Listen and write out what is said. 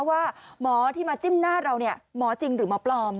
ว่าหมอที่มาจิ้มหน้าเราหมอจริงหรือหมอปลอม